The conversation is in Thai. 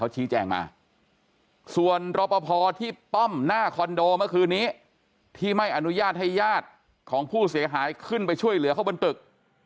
จัดให้ญาติของผู้เสียหายขึ้นไปช่วยเหลือเข้าบนตึก